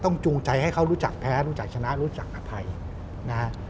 ต้องจูงใจให้เขารู้จักแพ้รู้จักชนะรู้จักอาธัยนะฮะ